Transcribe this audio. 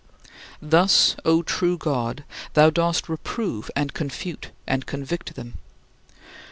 Thus, O true God, thou dost reprove and confute and convict them.